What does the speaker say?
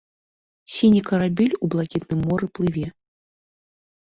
Сіні карабель у блакітным моры плыве.